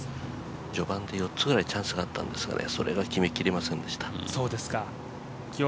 序盤で４つくらいチャンスがあったんですがそれが決めきれませんでした。